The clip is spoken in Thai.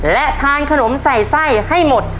และทานขนมใส่ไส้ให้หมด